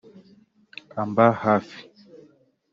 Amba hafi